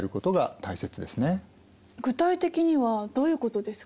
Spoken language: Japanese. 具体的にはどういうことですか？